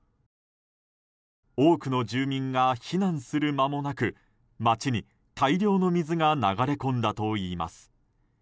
多くの住民が避難する間もなく街に大量の水が流れ込んだといいます。